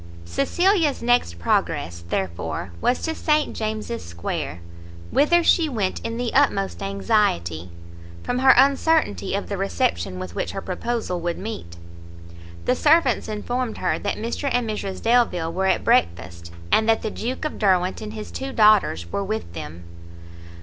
Cecilia's next progress, therefore, was to St James's square, whither she went in the utmost anxiety, from her uncertainty of the reception with which her proposal would meet. The servants informed her that Mr and Mrs Delvile were at breakfast, and that the Duke of Derwent and his two daughters were with them.